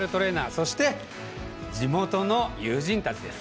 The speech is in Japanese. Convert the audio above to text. そして、地元の友人たちです。